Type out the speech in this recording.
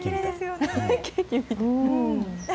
ケーキみたい。